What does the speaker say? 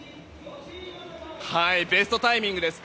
ベストタイミングです。